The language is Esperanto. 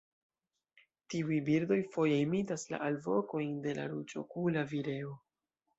Tiuj birdoj foje imitas la alvokojn de la Ruĝokula vireo.